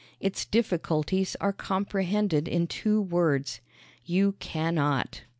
Its difficulties are comprehended in two words: You cannot.